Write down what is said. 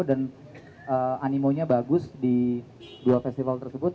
dan animonya bagus di dua festival tersebut